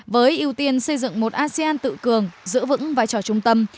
với ưu tiên xây dựng một asean tự cường giữ vững vai trò trung tâm